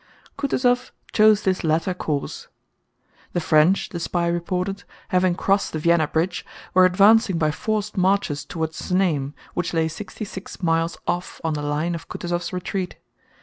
Kutúzov chose this latter course. The French, the spy reported, having crossed the Vienna bridge, were advancing by forced marches toward Znaim, which lay sixty six miles off on the line of Kutúzov's retreat.